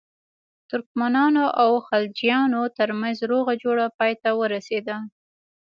ترکمنانو او خلجیانو ترمنځ روغه جوړه پای ته ورسېده.